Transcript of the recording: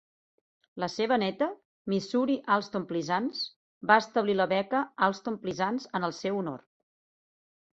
La seva neta, Missouri Alston Pleasants, va establir la beca Alston-Pleasants en el seu honor.